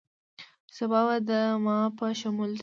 چې سبا به دما په شمول دې